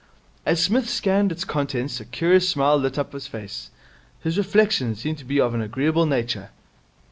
As Psmith scanned its contents a curious smile lit up his face. His reflections seemed to be of an agreeable nature.